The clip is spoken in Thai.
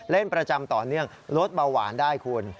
เล่นประจำต่อเนื่องลดเบาหวานได้คุณ